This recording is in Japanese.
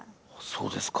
そうですか。